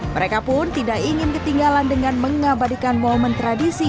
mereka pun tidak ingin ketinggalan dengan mengabadikan momen tradisi